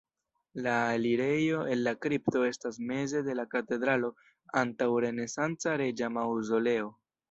La elirejo el la kripto estas meze de la katedralo antaŭ renesanca reĝa maŭzoleo.